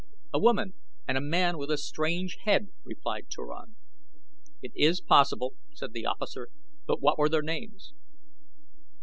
"A woman, and a man with a strange head," replied Turan. "It is possible," said the officer; "but what were their names?"